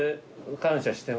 感謝してる。